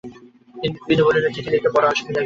বিন্দু বলিল, চিঠি লিখতে বড় আলসেমি লাগে দাদা।